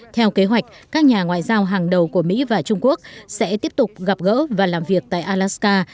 theo kế hoạch các nhà ngoại giao hàng đầu của mỹ và trung quốc sẽ tiếp tục gặp gỡ và làm việc tại alaska